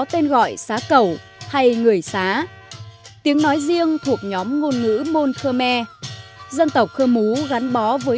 tên gọi xá cầu hay người xá tiếng nói riêng thuộc nhóm ngôn ngữ môn khơ me dân tộc khơ mú gắn bó với